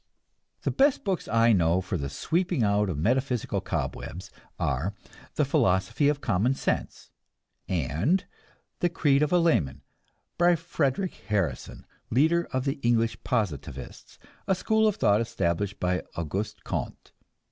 The best books I know for the sweeping out of metaphysical cobwebs are "The Philosophy of Common Sense" and "The Creed of a Layman," by Frederic Harrison, leader of the English Positivists, a school of thought established by Auguste Comte.